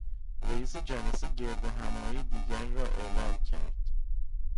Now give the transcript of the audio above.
رئیس جلسه گردهمایی دیگری را اعلام کرد.